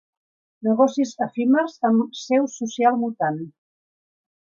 Negocis efímers amb seu social mutant.